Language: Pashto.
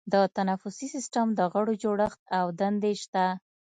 د تنفسي سیستم د غړو جوړښت او دندې شته.